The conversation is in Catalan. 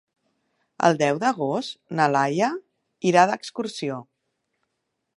El deu d'agost na Laia irà d'excursió.